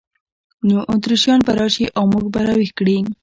نو اتریشیان به راشي او موږ به را ویښ کړي.